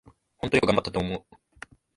ほんとよく頑張ったと思う